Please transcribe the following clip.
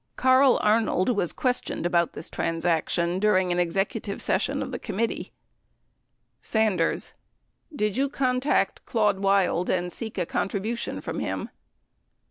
Carl Arnold was questioned about this transaction during an execu tive session of the committee : Sanders. Did you contact Claude Wild and seek a contribu tion from him?